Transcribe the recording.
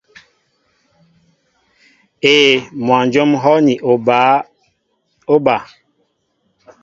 Éē, mwajóm ŋ̀hɔ́ ni bǎ óba.